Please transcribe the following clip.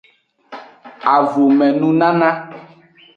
Avome nunana.